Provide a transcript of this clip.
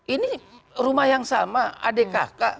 ini rumah yang sama adik kakak